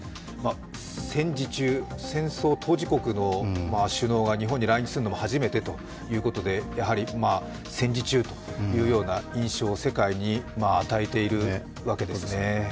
戦時中、戦争当事国の首脳が日本に来日するのは初めてということで戦時中というような印象を世界に与えているわけですね。